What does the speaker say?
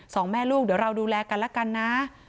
สองแม่ลูกเดี๋ยวเราดูแลกันแล้วกันนะ